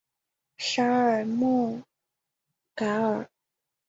沙尔穆瓦尔。